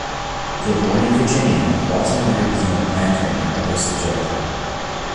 Though born in Virginia, Walton later became a planter near Augusta, Georgia.